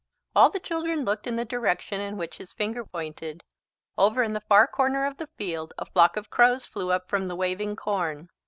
All the children looked in the direction in which his finger pointed. Over in the far corner of the field a flock of crows flew up from the waving corn.